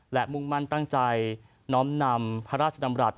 และมุ่งมั่นตั้งใจน้อมนำพระราชดำรัฐ